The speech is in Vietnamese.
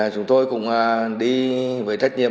chúng tôi cùng đi với trách nhiệm